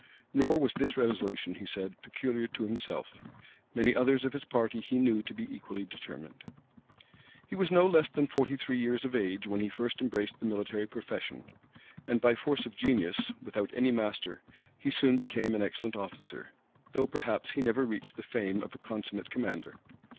Nor was this resolution, he said, peculiar to himself: many others of his party he knew to be equally determined. He was no less than forty three years of age when he first embraced the military profession; and by force of genius, without any master, he soon became an excellent officer; though perhaps he never reached the fame of a consummate commander.